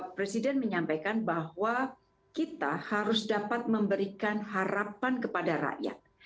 presiden menyampaikan bahwa kita harus dapat memberikan harapan kepada rakyat